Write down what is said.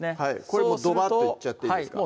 これもうドバッといっちゃっていいですか？